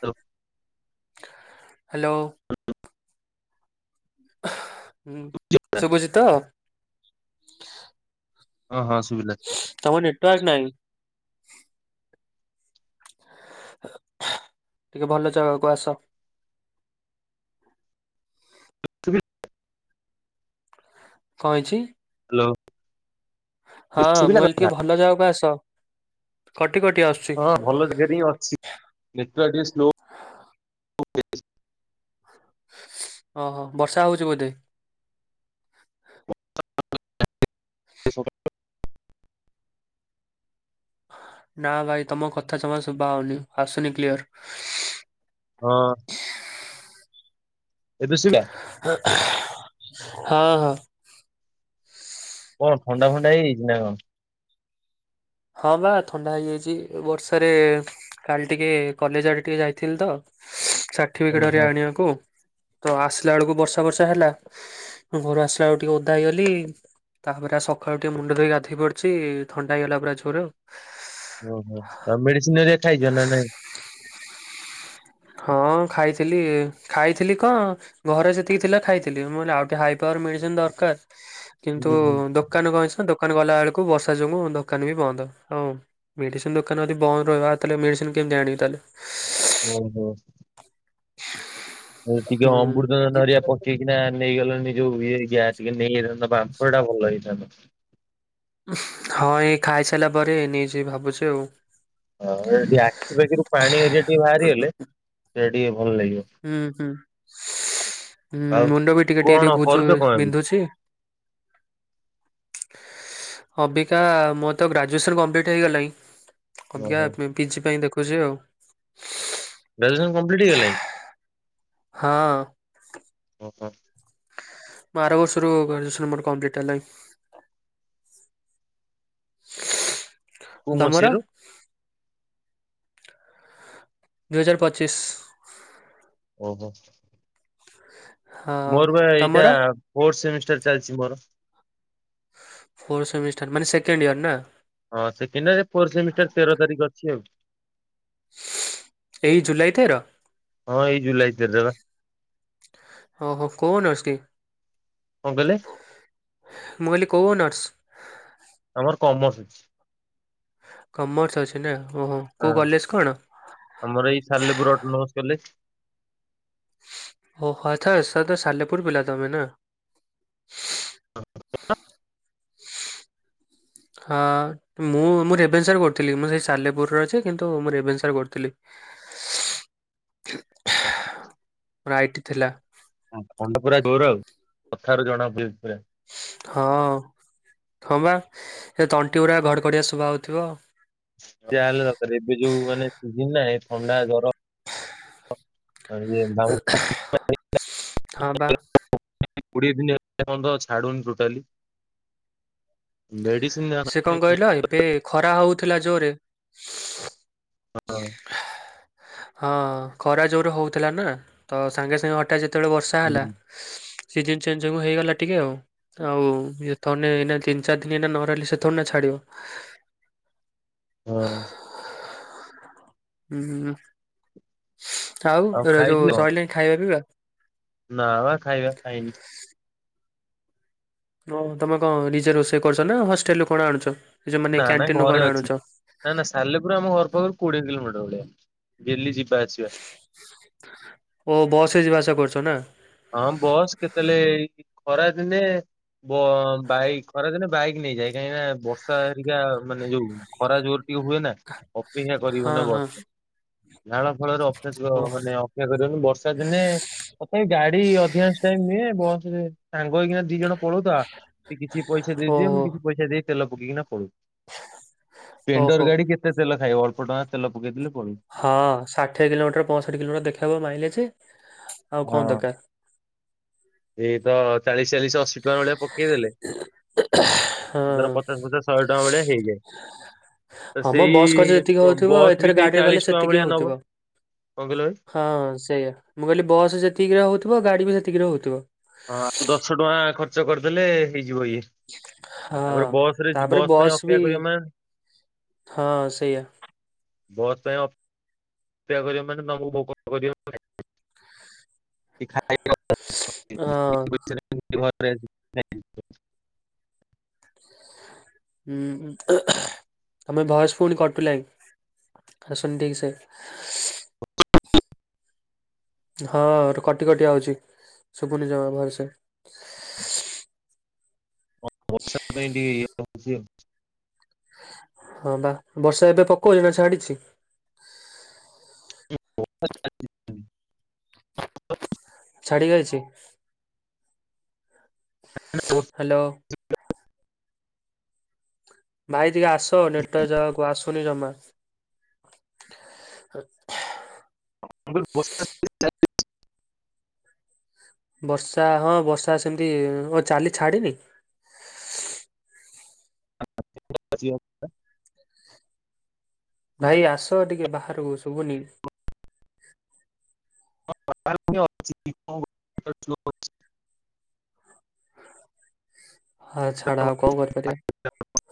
ତ ହାଲୋ। [inaudible] ହଁ ଶୁଭୁଚି ତ? ଓଁ ହଁ ଶୁଭିଲା। ତମ ନେଟ୍ୱାର୍କ ନାହିଁ। ଟିକେ ଭଲ ଜାଗାକୁ ଆସ। [unintelligible] କଣ ହେଇଚି? ହାଲୋ। ହଁ, ମୁଁ [unintelligible] ଟିକେ ଭଲ ଜାଗାକୁ ଆସ। କଟି କଟି ଆସୁଛି ହଁ ଭଲ ଜାଗାରେ ହିଁ ଅଛି, ନେଟ୍ୱର୍କ ଟିକେ ସ୍ଲୋ ଓହୋ, ବର୍ଷା ହଉଚି ବୋଧେ? [inaudible] ନାଁ ଭାଇ ତମ କଥା ଜମା ଶଭା ହଉନି ଆସୁନି କ୍ଲିୟର। ହଁ। ଏବେ [unintelligible] ହଁ-ହଁ। କଣ ଥଣ୍ଡା ଫଣ୍ଡା ହେଇଯାଇଚି ନାଁ କଣ? ହଁ ବା ଥଣ୍ଡା ହେଇଯାଇଛି ବର୍ଷାରେ କାଲି ଟିକେ କଲେଜ ଆଡେ ଟିକେ ଯାଇଥିଲି ତ ସାର୍ଟିଫିକେଟ ଓହୋ ଆଣିବାକୁ ତ ଆସିଲା ବେଳକୁ ବର୍ଷା ବର୍ଷା ହେଲା ଘରୁ ଆସିଲା ବେଳକୁ ଟିକେ ଓଧା ହେଇଗଲି। ତାପରା ସକାଳୁ ଟିକେ ମୁଣ୍ଡ ଧୋଇ ଗାଧୋଇ ପଡିଚଛି ଥଣ୍ଡା ହେଇଗଲା ପୁରା ଜୋର। ଓହୋ ତ ମେଡିସିନ ହେରୀକା ଖାଇଯ ନା ନାଇଁ? ହଁ ଖାଇଥିଲି ଖାଇଥିଲି କଣ? ଘରେ ସେତିକି ଥିଲା ଖାଇଥିଲି ଆଉ ଟିକିଏ ହାଇ ପାୱାର ମେଡିସିନ ଦରକାର। କିନ୍ତୁ ହୁଁ ହୁଁ ଦୋକାନ କଣ ହେଇଚି ନା ଦୋକାନ ଗଲା ବେଳକୁ ବର୍ଷା ଯୋଗୁ ଦୋକାନ ବି ବନ୍ଦ ହଉ ମେଡିସିନ ଦୋକାନ ଆଦି ବନ୍ଦ ରହିବ ତାଲେ ମେଡିସିନ କେମିତି ଆଣିବ ତାହେଲେ? ହୁଁ ହୁଁ। ଟିକେ ଅମୃତ ବଞ୍ଜ ହୁଁ। ଧରି ଆସ। କିିନା ନେଇଗଲଣିି ଯୋଉ ଇ ଟିକେ ନେଇଯଇଥାନ୍ତା ବାମ୍ପ ଟା ଭଲ ହେଇଥାନ୍ତା। ହଁ ଏଇ ଖାଇସାରିଲା ପରେ ନେଇଛି ଭାବୁଛି ଆଉ। ହଁ ଟିକେ ଆଖିପଖିରୁ ପାଣି ଏରି ଟିକେ ବାହାରିଗଲେ ସେଇଟା ଟିକେ ଭଲ ଲାଗିବ। ହୁଁ ହୁଁ। ଆଉ ଉଁ ମୁଣ୍ଡ ବି ଟିକେ ଟିକେ କଣ ଟ ବୁଝ କରୁଛ କଣ ଏବେ? ବିନ୍ଧୁଛି। ଅବିକା ମୋର ତ ଗ୍ରାଜୁଏସନ କମ୍ପ୍ଲିଟ ହେଇଗଲାଣି। ଅବିକା ଓହୋ ପିଜି ପାଇଁ ଦେଖୁଛି ଆଉ ଗ୍ରଜୁଏସନ କମ୍ପିଟି ହେଇଲାଣି? ହଁ ଓହୋ। ବାର ବର୍ଷରୁ ଗ୍ରାଜୁଏସନ ମୋର କମ୍ପଲିଟ ହେଲାଣି। କୋଉ ଦମର? ମସିହାରୁ? ଦୁଇହଜାର ପଚିଶ। ଓହୋ। ହଁ ମୋର ବା ଏଇଟା ତମର ଫୋଥ ସେମିଷ୍ଟର ଚାଲିଛି ମୋର। ଫୋଥ ସେମିଷ୍ଟାର ମାନେ ସେକେଣ୍ଡଇୟର ନା? ହଁ ସେକିଣ୍ଡ ପୋର ସେମିଷ୍ଟାର ତେର ତାରିଖ ଅଛି ଆଉ। ଏଇ ଜୁଲାଇ ତେର? ହଁ ଏଇ ଜୁଲାଇ ତେର ଵା। ଓ ହୋ କୋଉ ଅନସ୍ କି? କଣ କହିଲେ? ମୁଁ କହିଲି କୋଉ ଅନର୍ସ? ତମର କମର୍ସ ଅଛି। କମର୍ସ ଅଛି ନା ଓହୋ। ହଁ କୋଉ କଲେଜ କଣ ଆମର ଏଇ ସାଲେପୁର ଅଟ ନମସ୍ କଲେଜ ଓ ହ ସାର୍ ତ ସାଲେପୁର ପିଲା ତମେ ନା? [unintelligible] ହଁ। ମୁଁ ମୁଁ ରେଭେନସାରେ କରୁଥିଲି ମୁଁ ସେଇ ସାଲେପୁରରେ ଅଛି କିନ୍ତୁ ମୁଁ ରେଭେନସାରେ କରୁଥିଲି। [unintelligible] ମୋର ଆଇଟି ଥିଲା [unintelligible] ହ ଖଣ୍ଡ ପୁରା ଗୋର ଆଉ କଥାରୁ ଜଣା ପଡୁଛି ପୁରା। ହଁ ହଁ ବା ଏ ତଣ୍ଟି ଗୁଡ଼ା ଘଡ଼ ଘଡ଼ିଆ ସୁଭାଯାଉଥିବ। ଯାହାହେଲେ ଦରକାର ଏବେ ଯୋଉଁ ମାନେ ସିଜିନ ନା ଥଣ୍ଡା ଜର ରହିବେ [unintelligible] ହଁ ବା କୋଡିଏ ଦିନ ହେ ପର୍ଯ୍ୟନ୍ତ ଛାଡୁନି ଟୋଟାଲି ମେଡିସିନ ହଁ ସେ କଣ କହିଲ ଏବେ ଖରା ହଉଥିଲା ଜୋରେ ହଁ ଖରା ଯୋର ହଉଥିଲା ନା ତ ସାଙ୍ଗେ ସାଙ୍ଗେ ହଠାତ୍ ଯେତେବେଳେ ବର୍ଷା ହେଲା ସିଜିନ୍ ଚେଞ୍ଜ ଯୋଗୁ ହେଇଗଲା ଟିକେ ଆଉ। ଆଉ ଏଥେନେ ଏଇନା ତିନି ଚାରି ଦିନ ଏଇ ନ ରହିଲେ ସେ ଥଣ୍ଡା ଛାଡ଼ିବ। ହଁ ହୁଁ ଆଉ ଏରା ଯୋଉ ସରିଲାଣି ଖାଇବା ପିଇବା। ନା ବା ଖାଇବା ଖାଇନି। ହଁ ତମେ କଣ ନିଜେ ରୋଷେଇ କରୁଛ ନା ହଷ୍ଟେଲ ରୁ କଣ ଆଣୁଛ? ଏଇ ଯୋଉ ମାନେ ନା ନା କ୍ୟାଣ୍ଟିନ ରୁ ଘରେ କଣ ଅଛି। ଆଣୁଛ? ନା ନା ସାଲେପୁର ଆମ ଘର ପାଖରୁ କୋଡ଼ିଏ କିଲୋମିଟର ହବ। ଡେଲି ଯିବା ଆସିବା। ଓ ବସରେ ଯିବା ଆସିବା କରୁଛ ନାଁ। ହଁ ବସ୍ କେତେବେଳେ ଖରା ଦିନେ ବ ବାଇକ୍ ଖରାଦିନେ ବାଇକ୍ ନେଇଯାଏ। କାହିଁକି ନା ବର୍ଷା ହେରିକା ମାନେ ଯୋଉ ଖରା ଜୋର ଟିକେ ହୁଏ ନା ଅପେକ୍ଷା ହଁ କରିବୁନ ହଁ ବସ୍ ନାଳ ଫାଳରେ [unintelligible] ମାନେ ଅପେକ୍ଷା କରିବାକୁ ବର୍ଷାଦିନେ [unintelligible] ଗାଡି ଅଧିକାଂଶ ଟାଇମ୍ ନୁହଁ ବସ ରେ ସାଙ୍ଗ ହେଇକିନା ଦି ଜଣ ପଳଉ ତ ଆଉ ସେ କିଛି ପଇସା ଓ ଦେଇଦିଏ ଓହୋ। ମୁଁ କିଛି ପଇସା ଦେଇ ତେଲ ପକେଇକିନା ପଳଉ। ଓହୋ ପେଣ୍ଡର ଗାଡ଼ି କେତେ ତେଲ ଖାଇବ? ଅଳ୍ପ ଟଙ୍କା ତେଲ ପକେଇଥିନେ ପଳଉ। ହଁ ଷାଠିଏ କିଲୋମିଟର ପଞ୍ଚଷଠି କିଲୋମିଟର ଦେଖାହେବ ମାଇଲେଜ୍ ହଁ ଏଇ ତ ଚାଳିଶ ଚାଳିଶ ଅ ଅଶୀ ଟଙ୍କା ଭଳିଆ ପକେଇଦେଲେ ସେ ତାର ହଁ ପଚାଶ ପଚାଶ ଶହେ ଟଙ୍କା ଭଳିଆ ହେଇଯାଏ। ତ ହଁ ମ ବସ୍ ଖର୍ଚ୍ଚ ସେଇ ଯେତିକି ବ ହଉଥିବ ବସ୍ ବି ଏଥିରେ ସେଇ ଗାଡିରେ ଗଲେ ଚାଳିଶ ଟଙ୍କା ସେତିକି ଭଳିଆ ହଉଥିବ। ନବ। କଣ କହିଲ ଭାଇ? ହଁ ସେଇଆ ମୁଁ କହିଲି ବସ୍ ଯେତିକିରେ ହଉଥିବ ଗାଡି ବି ସେତିକିରେ ହଉଥିବ। ହଁ କିନ୍ତୁ ଆଉ ଦଶ ଟଙ୍କା ଖର୍ଚ୍ଚ କରିଦେଲେ ହେଇଯିବ ଇଏ। ହଁ ତାପରେ ବସ ରେ ତାପରେ ବସ୍ ପାଇଁ ବି ଅପେକ୍ଷା କରିବ ମା ହଁ ସେଇଆ। ବସ ପାଇଁ ଅ ସେଆ କରିବ ମାନେ ତମକୁ ଭୋକ କରିବ ହଁ [unintelligible] ହୁଁ ତମେ ଭୟସ୍ ପୁଣି କଟଲାଣି। ଆସୁନି ଠିକ୍ ସେ ହଁ କଟି କଟି ଆଉଛି ଶୁଭୁନି ଜମା ଭରସେ ବର୍ଷା ପାଇଁ ଟିକେ ଇଏ ହଉଛି ହଁ ବା ବର୍ଷା ଏବେ ପକାଉଛି ନା ଛାଡିଛି? [unintelligible] ଛାଡିଗାଇଛି? [unintelligible] ହେଲୋ। [unintelligible] ଭାଇ ଟିକେ ଆସ ନେଟ୍ ଜାକୁ ଆସୁନି ଜମା। ହ [unintelligible] [unintelligible] ବର୍ଷା ହଁ ବର୍ଷା ସେମିତି ଆଉ ଚାଲି ଛାଡିିନି? [unintelligible] [unintelligible] ଭାଇ ଆସ ଟିକେ ବାହାରକୁ ଶୁଭୁନି? [unintelligible] ହଁ ଛାଡ଼ ଆଉ କଣ କରିପାରିବା? [unintelligible]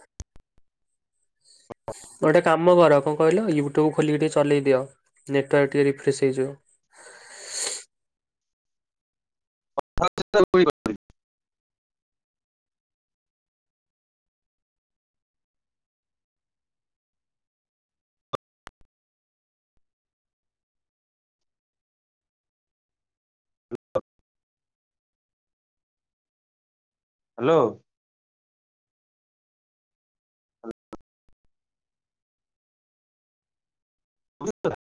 ଗୋଟେ କାମ କର କଁ କହିଲ ୟୁଟ୍ୟୁବ ଖୋଲିକି ଟିକେ ଚଲେଇ ଦିଅ। ନେଟୱାର୍କ ଟିକେ ରିଫ୍ରେଶ୍ ହେଇଯିବ। [unintelligible] ହାଲୋ। [unintelligible] [unintelligible]